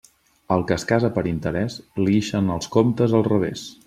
Al que es casa per interés, li ixen els comptes al revés.